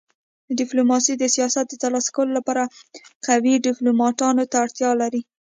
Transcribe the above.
ډيپلوماسي د سیاست د تر لاسه کولو لپاره قوي ډيپلوماتانو ته اړتیا لري.